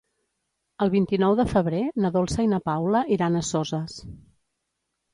El vint-i-nou de febrer na Dolça i na Paula iran a Soses.